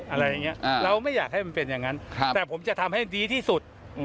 อะไรอย่างนี้เราไม่อยากให้มันเป็นอย่างนั้นแต่ผมจะทำให้ดีที่สุด